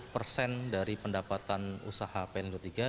enam puluh persen dari pendapatan usaha pelindo iii